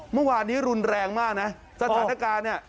เมื่อวานนี้รุนแรงมากนะสถานการณ์เนี่ย